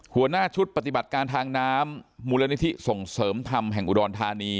หัวหน้าชุดปฏิบัติการทางน้ำมูลนิธิส่งเสริมธรรมแห่งอุดรธานี